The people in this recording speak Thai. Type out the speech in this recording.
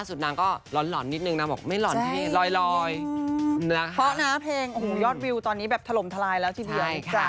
สงสารเราเหอะ